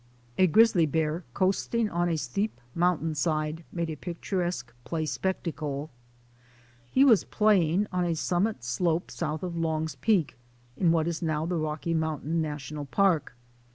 A grizzly bear coasting on a steep mountain side made a picturesque play spectacle. He was play ing on a summit slope south of Long's Peak in what is now the Rocky Mountain National Park.